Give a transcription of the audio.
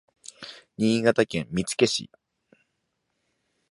新潟県見附市